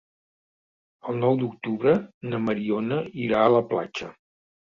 El nou d'octubre na Mariona irà a la platja.